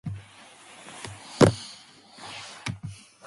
As with Lychnoscopy, the diviner reads presages from the movements of the flame.